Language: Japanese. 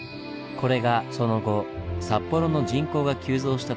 これがその後札幌の人口が急増した時に